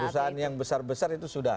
perusahaan yang besar besar itu sudah